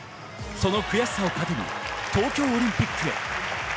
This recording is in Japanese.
その悔しさを糧に東京オリンピックへ。